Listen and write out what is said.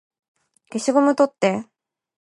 消しゴム取って